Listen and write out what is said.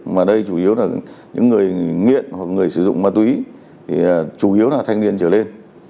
mà đây chủ yếu là những người nghiện hoặc người sử dụng ma túy thì chủ yếu là thanh niên trở lên